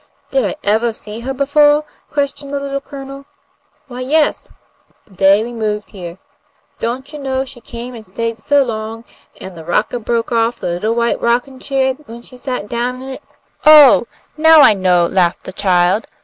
"Did I evah see her befo'?" questioned the Little Colonel. "Why, yes, the day we moved heah. Don't you know she came and stayed so long, and the rockah broke off the little white rockin' chair when she sat down in it?" "Oh, now I know!" laughed the child.